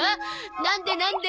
なんでなんで？